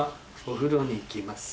お風呂に行きます。